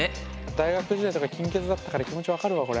大学時代とか金欠だったから気持ち分かるわこれ。